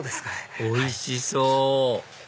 おいしそう！